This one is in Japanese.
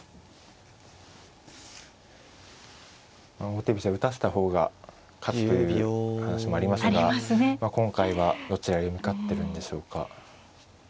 王手飛車打たせた方が勝つという話もありますが今回はどちらへ向かってるんでしょうか。